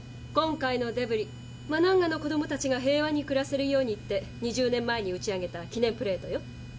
今回のデブリ「マナンガの子供たちが平和に暮らせるように」って２０年前に打ち上げた祈念プレートよ。